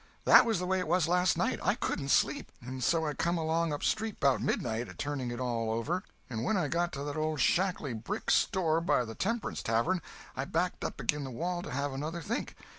That was the way of it last night. I couldn't sleep, and so I come along upstreet 'bout midnight, a turning it all over, and when I got to that old shackly brick store by the Temperance Tavern, I backed up agin the wall to have another think.